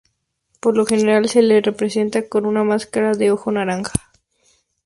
Por lo general, se le representa con una máscara de ojo naranja.